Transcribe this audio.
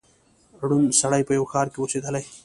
ړوند سړی په یوه ښار کي اوسېدلی